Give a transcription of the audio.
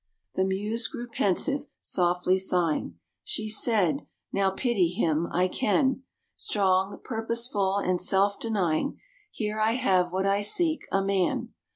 The Muse grew pensive. Softly sighing, She said: "Now pity him I can. Strong, purposeful and self denying, Here I have what I seek, a Man.